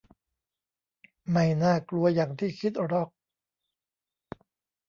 'ไม่น่ากลัวอย่างที่คิดหรอก'